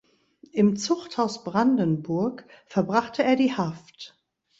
Im Zuchthaus Brandenburg verbrachte er die Haft.